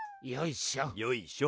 よいしょ。